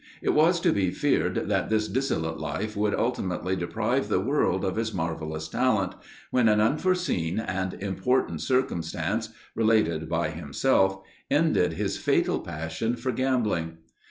It was to be feared that this dissolute life would ultimately deprive the world of his marvellous talent, when an unforeseen and important circumstance, related by himself, ended his fatal passion for gambling.